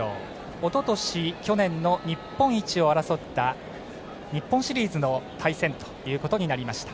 おととし、去年の日本一を争った日本シリーズの対戦となりました。